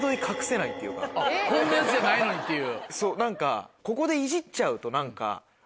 こんなやつじゃないのにっていう？